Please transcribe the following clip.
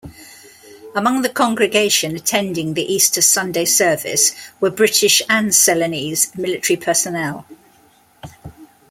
Among the congregation attending the Easter Sunday service were British and Ceylonese military personnel.